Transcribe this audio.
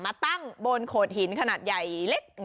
มาตั้งบนโขดหินขนาดใหญ่เล็ก